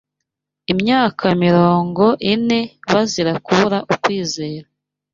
Imyaka mirongo ine bazira kubura ukwizera